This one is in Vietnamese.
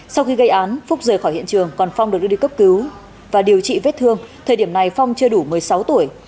sau khi gây án phúc rời khỏi hiện trường còn phong được đưa đi cấp cứu và điều trị vết thương thời điểm này phong chưa đủ một mươi sáu tuổi